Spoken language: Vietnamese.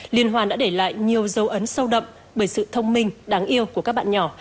liên hoan đã để lại nhiều dấu ấn sâu đậm bởi sự thông minh đáng yêu của các bạn nhỏ